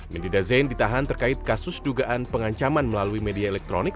medida zain ditahan terkait kasus dugaan pengancaman melalui media elektronik